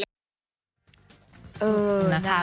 เออนะคะ